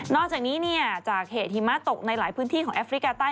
อกจากนี้จากเหตุหิมะตกในหลายพื้นที่ของแอฟริกาใต้